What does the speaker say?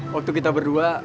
waktu kita berdua